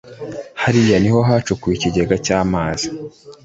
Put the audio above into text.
hariya ni ho hacukuwe ikigega cy’amazi